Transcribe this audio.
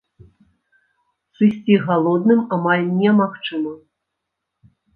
Сысці галодным амаль немагчыма.